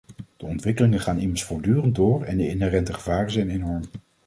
De ontwikkelingen gaan immers voortdurend door en de inherente gevaren zijn enorm.